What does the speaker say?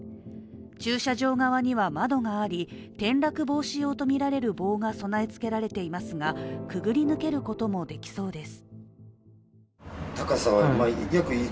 駐車場側には窓があり転落防止用とみられる棒が備え付けられていますがくぐり抜けることもできそうです。